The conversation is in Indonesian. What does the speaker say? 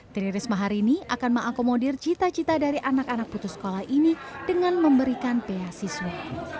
tririsma hari ini akan mengakomodir cita cita dari anak anak putus sekolah ini dengan memberikan pihak siswa